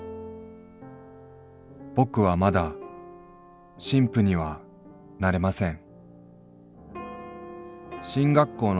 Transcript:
「ぼくはまだ神父にはなれません」。